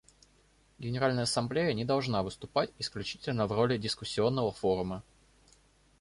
Генеральная Ассамблея не должна выступать исключительно в роли дискуссионного форума.